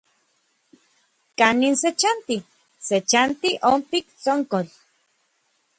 ¿Kanin se chanti? Se chanti onpik Tsonkol.